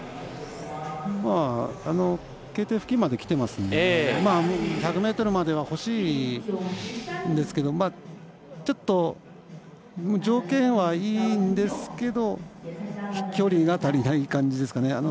Ｋ点付近まできてますので１００ｍまではほしいんですけど、ちょっと条件は、いいんですけど飛距離が足りない感じですかね。